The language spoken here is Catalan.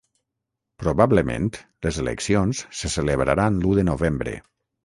Probablement les eleccions se celebraran l’u de novembre.